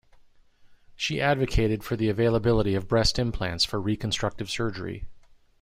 She advocated for the availability of breast implants for reconstructive surgery.